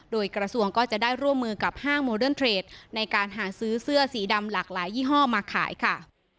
โดยกระทรวงก็จะได้ร่วมมือกับห้างโมเดิร์นเทรดในการหาซื้อเสื้อสีดำหลากหลายยี่ห้อมาขายค่ะ